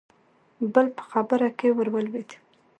بل په خبره کې ورولوېد: